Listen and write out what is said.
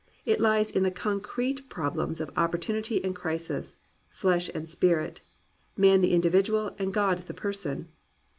It lies in the concrete problems of opportunity and crisis, flesh and spirit, man the individual and God the person.